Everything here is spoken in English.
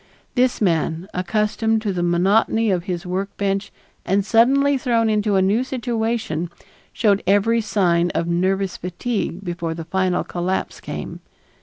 This man, accustomed to the monotony of his workbench and suddenly thrown into a new situation, showed every sign of nervous fatigue before the final collapse came.